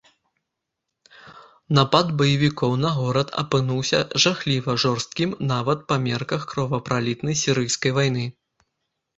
Напад баевікоў на горад апынуўся жахліва жорсткім нават па мерках кровапралітнай сірыйскай вайны.